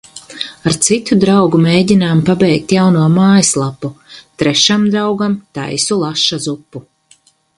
Ar citu draugu mēģinām pabeigt jauno mājaslapu, trešam draugam taisu laša zupu.